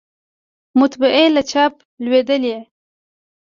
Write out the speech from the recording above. مطبعې له چاپ لویدلې